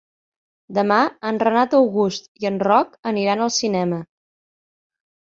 Demà en Renat August i en Roc aniran al cinema.